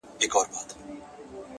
د ملا لوري نصيحت مه كوه ،